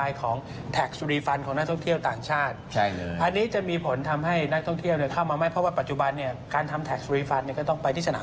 ตอนนี้เขาบอกว่าจะให้ร้านค้าห้างสรรคสินค้า